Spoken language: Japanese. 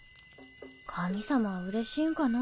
神様はうれしいんかな？